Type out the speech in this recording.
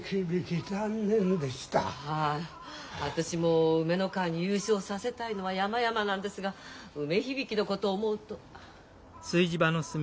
ああ私も梅ノ川に優勝させたいのはやまやまなんですが梅響のことを思うと。